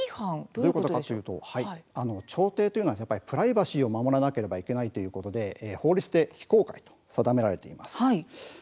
調停というのはプライバシーを守らなければいけないということで法律で非公開と定められています。